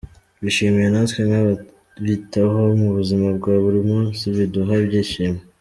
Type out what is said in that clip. Bishimye natwe nk’ababitaho mu buzima bwa buri munsi biduha ibyishimo.